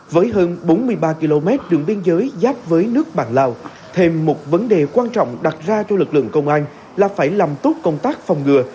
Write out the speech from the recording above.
với hơn bốn mươi ba km đường biên giới giáp với nước bạn lào thêm một vấn đề quan trọng đặt ra cho lực lượng công an là phải làm tốt công tác phòng ngừa